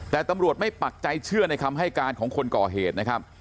แต่ตำรวจไม่ปักใจเชื่อในคำให้การของคนก่อเหตุนะครับ